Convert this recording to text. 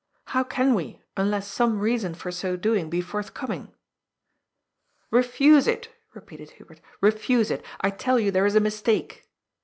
'' How can we unless some reason for so doing be forth coming "" Eef use it," repeated Hubert. " Bef use it I tell you, there is a mistake."